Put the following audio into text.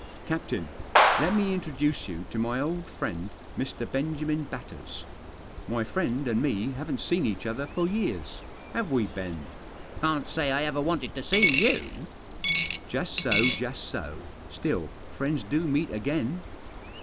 Captain, let me introduce you to my old friend, Mr. Benjamin Batters. My friend and me haven't seen each other for years, have we, Ben ?"" Can't say I ever wanted to see you." " Just so, just so ; still friends do meet again.